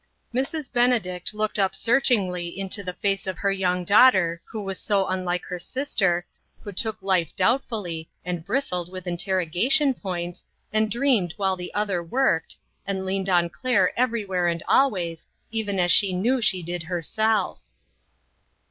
'" Mrs. Benedict looked up searchingly into the face of her young daughter, who was so unlike her sister, who took life doubt fully, and bristled with interrogation points. 2O INTERRUPTED. and dreamed while the other worked, and leaned on Claire everywhere and always, even as she knew she did herself.